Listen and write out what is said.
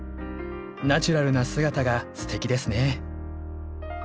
ナチュラルな姿がすてきですね！